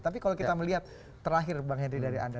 tapi kalau kita melihat terakhir bang henry dari anda